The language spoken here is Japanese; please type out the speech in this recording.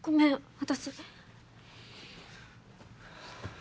私。